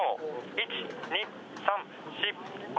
１、２、３、４、５。